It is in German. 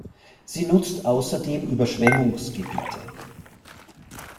Sie nutzt außerdem Überschwemmungsgebiete.